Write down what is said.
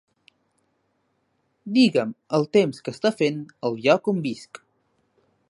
Digue'm el temps que està fent al lloc on visc.